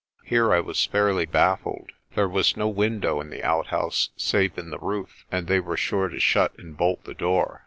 Here I was fairly baffled. There was no window in the outhouse save in the roof, and they were sure to shut and bolt the door.